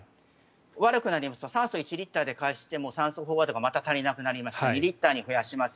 悪くなりますと酸素１リットルで開始しても酸素飽和度が足りなくなって２リットルに増やします